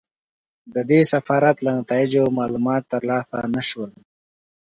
د دې سفارت له نتایجو معلومات ترلاسه نه شول.